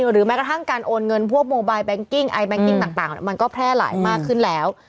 หรือแม้กระทั่งการโอนเงินพวกโมบายแบงกิ้งไอแบงกิ้งต่างมันก็แพร่หลายมากขึ้นแล้ว